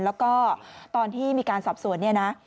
แล้วก็ตอนที่มีการสอบสวน